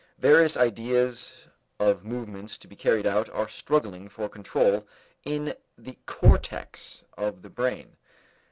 Various ideas of movements to be carried out are struggling for control in the cortex of the brain.